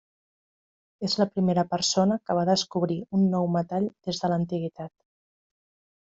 És la primera persona que va descobrir un nou metall des de l'antiguitat.